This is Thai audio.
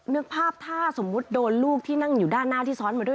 นึกภาพถ้าสมมุติโดนลูกที่นั่งอยู่ด้านหน้าที่ซ้อนมาด้วย